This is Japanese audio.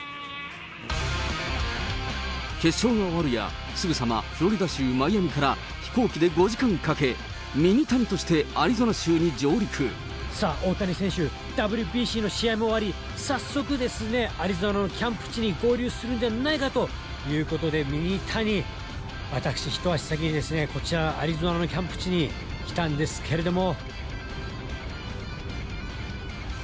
決勝が終わるやすぐさまフロリダ州マイアミから、飛行機で５時間かけ、さあ、大谷選手、ＷＢＣの試合も終わり、早速、アリゾナのキャンプ地に合流するんじゃないかということで、ミニタニ、私、一足先にこちら、アリゾナのキャンプ地に来たんですけれども。